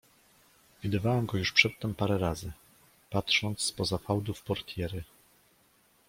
Widywałam go już przedtem parę razy, patrząc spoza fałdów portiery.